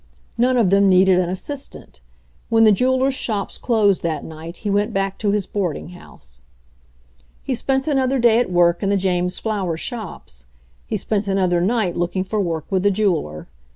None of them needed an assistant. When the jewelers' shops closed that night he went back to his boarding house. He spent another day at work in the James Flower shops. He spent another night looking for work with a jeweler.